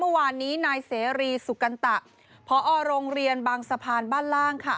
เมื่อวานนี้นายเสรีสุกัณฑะพอโรงเรียนบางสะพานบ้านล่างค่ะ